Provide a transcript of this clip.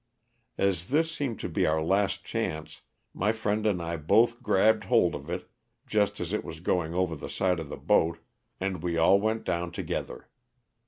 As this seemed to be our last chance my friend and I both grabbed hold of it, just as it was going over the side of the boat, and we all went down together.